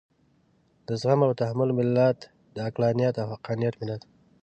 د زغم او تحمل ملت، د عقلانيت او حقانيت ملت.